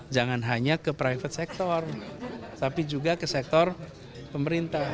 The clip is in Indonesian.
jangan hanya ke private sector tapi juga ke sektor pemerintah